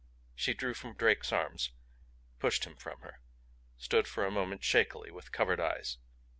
She drew from Drake's arms, pushed him from her, stood for a moment shakily, with covered eyes.